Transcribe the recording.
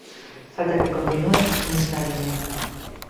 Falta que continúe nesta liña.